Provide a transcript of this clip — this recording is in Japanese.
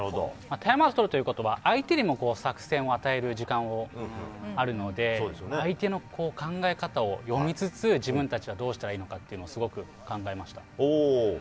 タイムアウトとるということは相手にも作戦を与える時間があるので相手の考え方を読みつつ自分たちはどうしたらいいのかをすごく考えました。